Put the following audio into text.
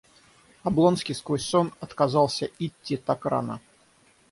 Облонский сквозь сон отказался итти так рано.